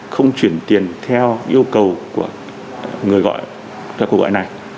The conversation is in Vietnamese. không chuyển tiền theo yêu cầu của người gọi các cuộc gọi này